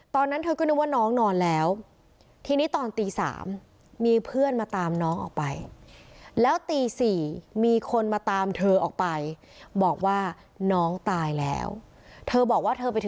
ตอนนั้นเธอก็นึกว่าน้องนอนแล้วทีนี้ตอนตี๓มีเพื่อนมาตามน้องออกไป